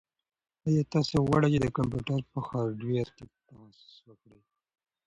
ایا تاسو غواړئ چې د کمپیوټر په هارډویر کې تخصص وکړئ؟